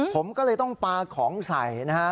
ผมก็เลยต้องปลาของใส่นะฮะ